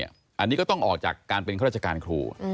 อันนี้ก็ต้องออกจากการเป็นข้าราชการครู